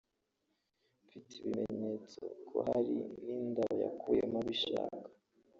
mfite ibimenyetso ko hari n’inda yakuyemo abishaka